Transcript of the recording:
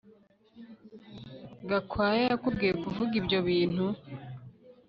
Gakwaya yakubwiye kuvuga ibyo bintu